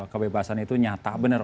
kebebasan itu nyata benar